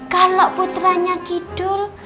kalau putranya kidul